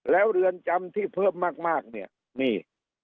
แล้วเรือนจำที่เพิ่มมากเนี่ยนี่